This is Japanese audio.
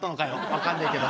分かんねえけど。